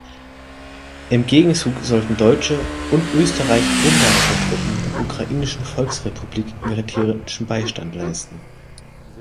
Im Gegenzug sollten deutsche und österreich-ungarische Truppen der Ukrainischen Volksrepublik militärischen Beistand leisten.